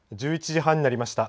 １１時半になりました。